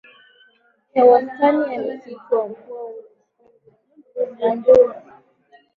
ya wastani ya msitu wa mvua ugunduzi